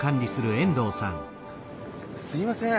すみません。